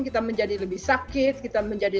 kita menjadi lebih sakit kita menjadi